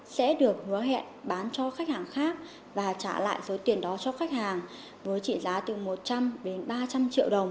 sẽ được hứa hẹn bán sản phẩm